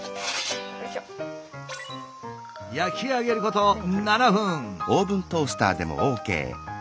焼き上げること７分。